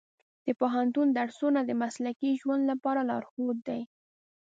د پوهنتون درسونه د مسلکي ژوند لپاره لارښود دي.